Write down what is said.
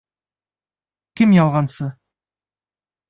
- Кем ялғансы?